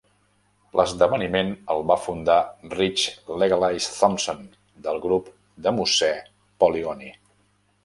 L'esdeveniment el va fundar Rich "Legalize" Thompson del grup demoscè Polygony.